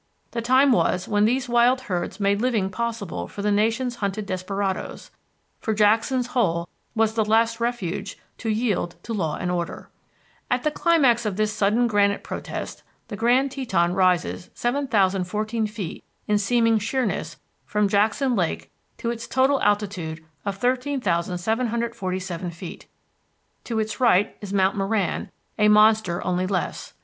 The time was when these wild herds made living possible for the nation's hunted desperadoes, for Jackson's Hole was the last refuge to yield to law and order. At the climax of this sudden granite protest, the Grand Teton rises 7,014 feet in seeming sheerness from Jackson Lake to its total altitude of 13,747 feet. To its right is Mount Moran, a monster only less.